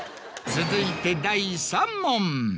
続いて第３問。